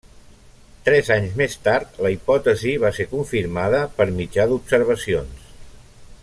Tres anys més tard, la hipòtesi va ser confirmada per mitjà d'observacions.